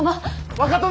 若殿！